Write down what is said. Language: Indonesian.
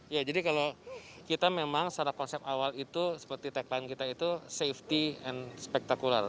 ya jadi kalau kita memang secara konsep awal itu seperti tagline kita itu safety and spectacular